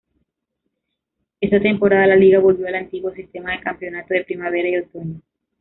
Esa temporada la liga volvió al antiguo sistema de campeonato de primavera y otoño.